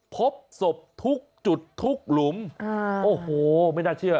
พบศพทุกจุดทุกหลุมโอ้โหไม่น่าเชื่อ